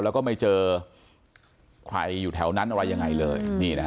แล้วก็ไม่เจอใครอยู่แถวนั้นอะไรยังไงเลย